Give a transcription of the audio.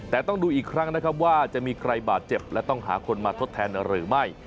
แต่ต้องดูอีกครั้งนะครับว่าจะมีใครบาดเจ็บและต้องหาคนมาทดแทนหรือไม่